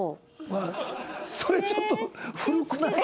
それちょっと古くない？